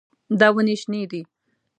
دا ونې شنې دي.